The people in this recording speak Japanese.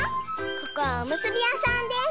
ここはおむすびやさんです。